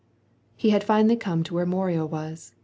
He had finally come where Mono was.